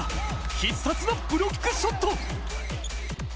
必殺のブロックショット。